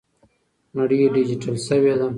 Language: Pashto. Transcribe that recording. نړۍ ډیجیټل شوې ده.